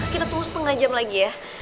kita tunggu setengah jam lagi ya